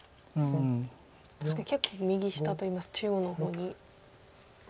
確かに結構右下といいますか中央の方に。